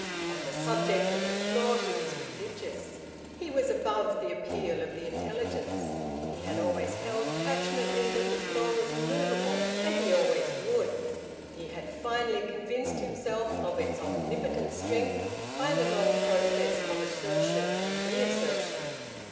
On the subject of the floor he was religious; he was above the appeal of the intelligence. He had always held passionately that the floor was immovable, and he always would. He had finally convinced himself of its omnipotent strength by the long process of assertion and reassertion.